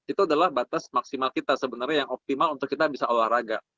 itu adalah batas maksimal kita sebenarnya yang optimal untuk kita bisa olahraga